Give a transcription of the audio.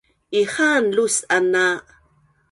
Ihaan lus’an a